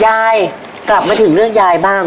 ยายกลับมาถึงเรื่องยายบ้าง